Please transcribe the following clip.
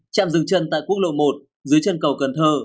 trạm dừng chân tại quốc lộ một dưới chân cầu cần thơ